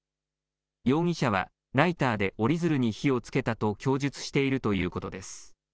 容疑者はライターで折り鶴に火をつけたと供述しているということです。